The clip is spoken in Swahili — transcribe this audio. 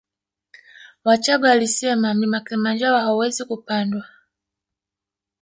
Wachagga walisema mlima kilimanjaro hauwezi kupandwa